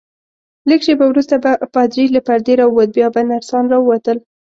لږ شیبه وروسته به پادري له پردې راووت، بیا به نرسان راووتل.